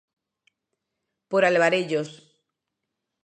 Por Alvarellos.